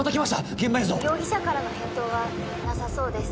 現場映像容疑者からの返答はなさそうです